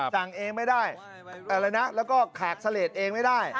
จังเองไม่ได้แล้วก็ขากเสลดเองไม่ได้